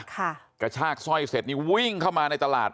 กระชากสร้อยเสร็จนี่วิ่งเข้ามาในตลาด